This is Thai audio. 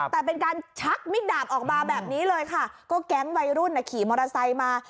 แต่เป็นการชักมิดดาบออกมาแบบนี้เลยค่ะก็แก๊งวัยรุ่นขี่มอเตอร์ไซค์มา